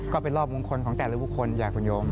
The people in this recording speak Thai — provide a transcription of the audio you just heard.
ก็เป็นรอบมุมคลของแต่ละผู้คนจากคนโยม